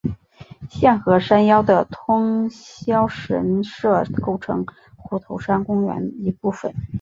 现和山腰的通霄神社构成虎头山公园一部分。